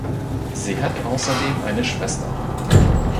Sie hat außerdem eine Schwester.